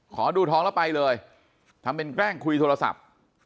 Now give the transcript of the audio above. ขอดูทองแล้วไปเลยทำเป็นแกล้งคุยโทรศัพท์